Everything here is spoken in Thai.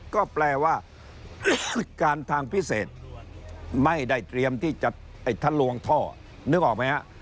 ก็แปลว่าการทางพิเศษไม่ได้เตรียมที่จะไอ้ทะลวงท่อนึกออกไหมฮะ